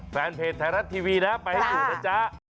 แฟนเพจไทยรัฐทีวีนะไปให้ดูนะจ๊ะ